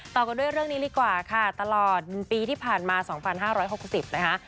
ต่อกันด้วยเรื่องนี้ดีกว่าค่ะตลอดปีที่ผ่านมา๒๕๖๐นะคะ